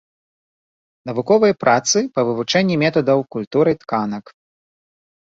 Навуковыя працы па вывучэнні метадаў культуры тканак.